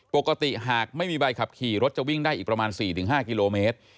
ปกติหากไม่มีใบขับขี่รถจะวิ่งได้อีกประมาณ๔๕กิโลเมตร